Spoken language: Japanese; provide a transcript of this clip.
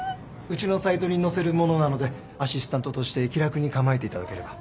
うちのサイトに載せるものなのでアシスタントとして気楽に構えていただければ。